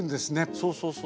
そうそうそう。